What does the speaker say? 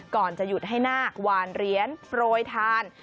ก่อนจะหยุดให้นาคหวานเหรียญโปรยทาน